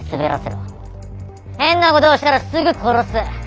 変なことをしたらすぐ殺す。